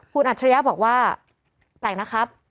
คุณอัจฉริยะบอกว่าแต่งนะครับ